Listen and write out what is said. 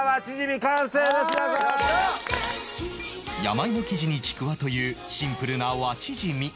山いも生地にちくわというシンプルな和チヂミ